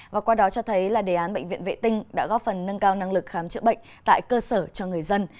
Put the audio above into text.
và qua đó cho thấy là đề án bệnh viện vệ tinh đã góp phần nâng cao năng lực khám chữa bệnh tại cơ sở cho người dân